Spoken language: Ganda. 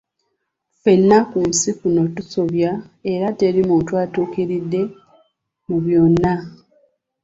"Ffenna ku nsi kuno tusobya, era teri muntu atuukiridde mu byonna."